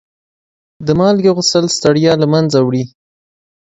د مالګې غسل د ستړیا له منځه وړي.